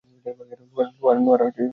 লোহারা ভারি গেট।